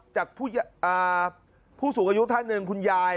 จากผู้สูงอายุท่าน๑